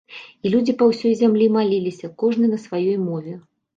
І людзі па ўсёй зямлі маліліся, кожны на сваёй мове.